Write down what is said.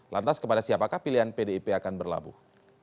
lantas kepada siapakah pilihan pdip akan berlabuh